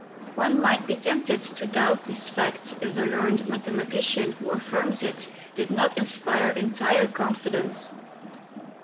One might be tempted to doubt this fact, if the learned mathema¬ tician who affirms it did not inspire entire confid¬ ence.